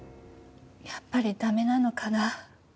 やっぱり駄目なのかな？